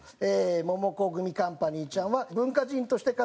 モモコグミカンパニーちゃんは文化人として活動。